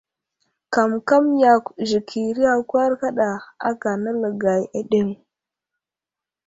Kamkam yakw zəkiri akwar kaɗa aka nələgay aɗeŋ.